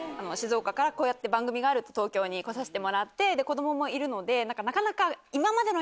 こうやって番組があると。に来させてもらって子供もいるのでなかなか。